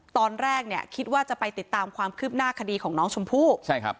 ตอนแรกเนี่ยคิดว่าจะไปติดตามความคืบหน้าคดีของน้องชมพู่ใช่ครับ